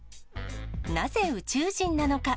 なぜ宇宙人なのか。